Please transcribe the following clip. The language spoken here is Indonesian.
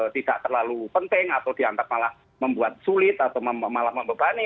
tidak terlalu penting atau dianggap malah membuat sulit atau malah membebani